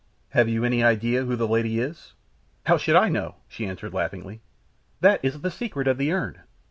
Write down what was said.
Have you any idea who the lady is?" "How should I know?" she answered laughingly. "That is the secret of the urn.